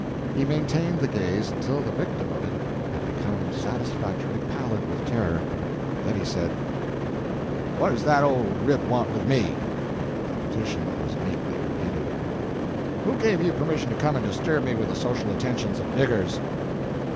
He maintained the gaze until the victim of it had become satisfactorily pallid with terror, then he said "What does the old rip want with me?" The petition was meekly repeated. "Who gave you permission to come and disturb me with the social attentions of niggers?"